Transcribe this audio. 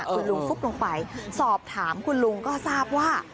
คุณลุงฟุ๊บลงไปสอบถามคุณลุงก็ทราบว่า